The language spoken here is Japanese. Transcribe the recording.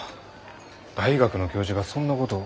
大学の教授がそんなことを。